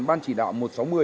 ban chỉ đạo một trăm sáu mươi